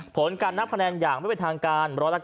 ผลการนับคะแนนอย่างไม่เป็นทางการ๑๙